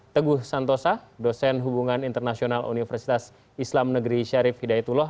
teguh santosa dosen hubungan internasional universitas islam negeri syarif hidayatullah